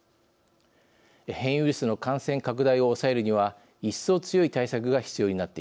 変異ウイルスの感染拡大を抑えるには一層強い対策が必要になっています。